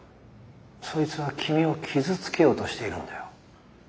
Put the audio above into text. そいつは君を傷つけようとしているんだよ。